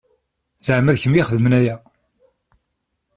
Zeɛma d kemm i ixedmen aya?